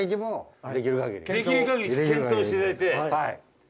できるかぎり検討していただいて。